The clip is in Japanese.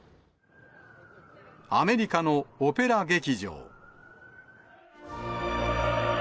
アメリカのオペラ劇場。